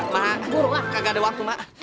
mah mah kagak ada waktu mah